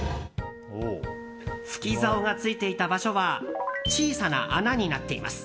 吹き竿がついていた場所は小さな穴になっています。